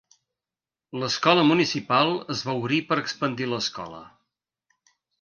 L'escola municipal es va obrir per expandir l'escola.